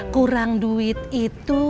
kurang duit itu